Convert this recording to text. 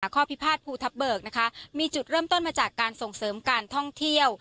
ข้อพิพาทภูทับเบิกนะคะมีจุดเริ่มต้นมาจากการส่งเสริมการท่องเที่ยว